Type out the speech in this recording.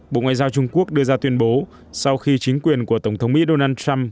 bộ ngoại giao trung quốc đưa ra tuyên bố sau khi chính quyền của tổng thống mỹ donald trump